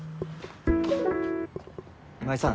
今井さん